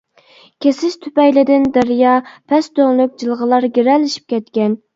كېسىش تۈپەيلىدىن، دەريا، پەس دۆڭلۈك، جىلغىلار گىرەلىشىپ كەتكەن.